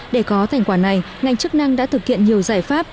để có thành quả này ngành chức năng đã thực hiện nhiều giải pháp